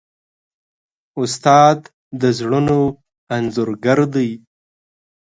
استاد د زړونو انځورګر دی.